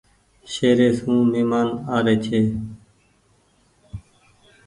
شهري سون مهمان آري ڇي۔